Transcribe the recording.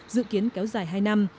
dự kiến kéo dài hai năm